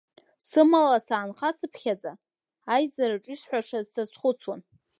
Сымала саанхацԥхьаӡа, аизараҿ исҳәашаз сазхәыцуан.